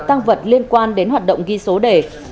tăng vật liên quan đến hoạt động ghi số đề